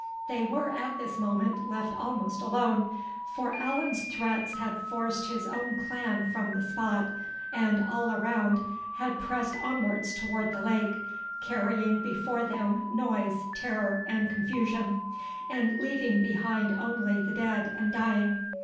They were at this moment left almost alone; for Allan's threats had forced his own clan from the spot, and all around had pressed onwards toward the lake, carrying before them noise, terror, and confusion, and leaving behind only the dead and dying.